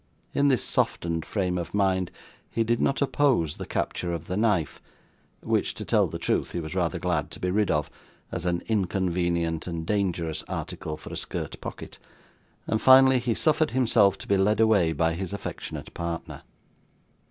In this softened frame of mind he did not oppose the capture of the knife which, to tell the truth, he was rather glad to be rid of, as an inconvenient and dangerous article for a skirt pocket and finally he suffered himself to be led away by his affectionate partner.